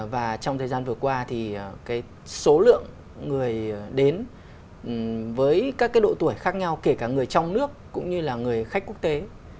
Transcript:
và trong thời gian vừa qua thì số lượng người đến với các cái độ tuổi khác nhau kể cả người trong nước cũng như là người khách quốc tế